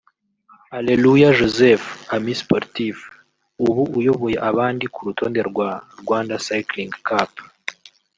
Aleluya Joseph (Amis Sportifs) ubu uyoboye abandi ku rutonde rwa Rwanda Cycling Cup